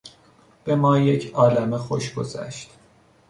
به ما یک عالمه خوش گذشت.